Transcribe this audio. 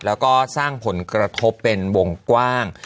แล้วก็สร้างผลกระทบเป็นวงกว้าง